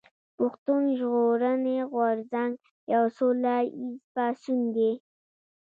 پښتون ژغورني غورځنګ يو سوله ايز پاڅون دي